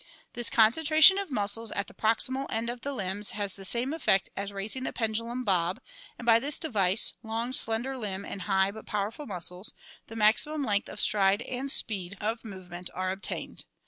This con centration of the muscles at the proximal end of the limbs has the same effect as raising the pendulum bob, and by this device — long slender limb and high but powerful muscles — the maximum length of stride and speed of movement are obtained.